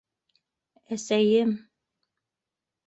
Әсәйем!